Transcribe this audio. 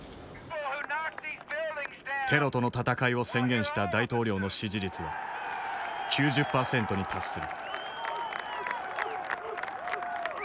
テロとの戦いを宣言した大統領の支持率は９０％に達する。